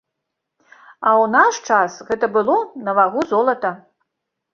А ў наш час гэта было на вагу золата!